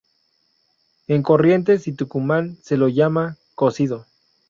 En Corrientes y Tucumán se lo llama "cocido".